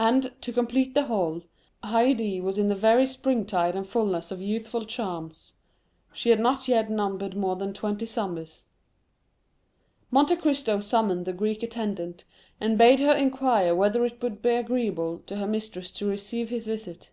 And, to complete the whole, Haydée was in the very springtide and fulness of youthful charms—she had not yet numbered more than nineteen or twenty summers. Monte Cristo summoned the Greek attendant, and bade her inquire whether it would be agreeable to her mistress to receive his visit.